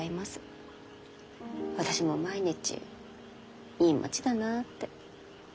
私も毎日いい町だなって。